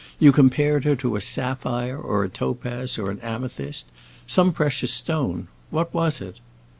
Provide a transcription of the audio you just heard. You compared her to a sapphire, or a topaz, or an amethyst—some precious stone; what was it?"